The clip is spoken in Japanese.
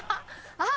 あっ！